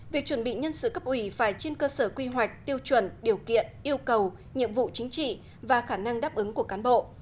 việc chuẩn bị nhân sự cấp ủy phải trên cơ sở quy hoạch tiêu chuẩn điều kiện yêu cầu nhiệm vụ chính trị và khả năng đáp ứng của cán bộ